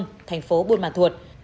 hình công thành phố buôn mà thuột